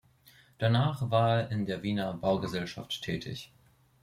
Danach war er in der Wiener Baugesellschaft tätig.